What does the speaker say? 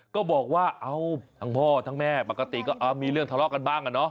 ก็บอกว่าเอาทั้งพ่อทั้งแม่ปกติก็มีเรื่องทะเลาะกันบ้างอะเนาะ